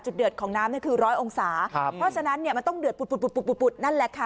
จุดเดือดของน้ำนี่คือร้อยองศาเพราะฉะนั้นมันต้องเดือดปุดนั่นแหละค่ะ